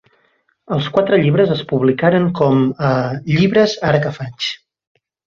Els quatre llibres es publicaren com a "Llibres Ara que faig".